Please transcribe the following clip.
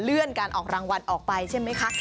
การออกรางวัลออกไปใช่ไหมคะ